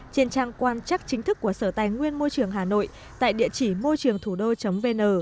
trên trang quan chắc chính thức của sở tài nguyên môi trường hà nội tại địa chỉ môi trườngthủđô vn